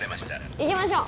いきましょう。